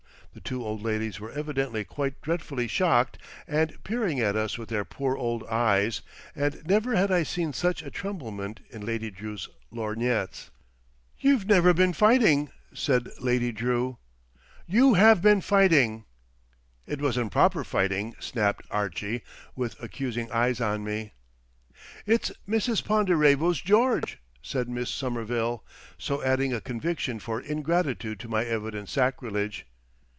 The two old ladies were evidently quite dreadfully shocked, and peering at us with their poor old eyes; and never had I seen such a tremblement in Lady Drew's lorgnettes. "You've never been fighting?" said Lady Drew. "You have been fighting." "It wasn't proper fighting," snapped Archie, with accusing eyes on me. "It's Mrs. Ponderevo's George!" said Miss Somerville, so adding a conviction for ingratitude to my evident sacrilege.